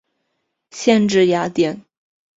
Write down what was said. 县治雅典。